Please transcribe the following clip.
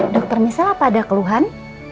dokter misal apa ada keluhan